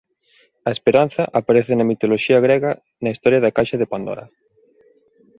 A esperanza aparece na mitoloxía grega na historia da Caixa de Pandora.